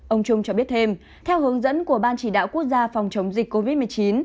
ông trung cho biết thêm theo hướng dẫn của ban chỉ đạo quốc gia phòng chống dịch covid một mươi chín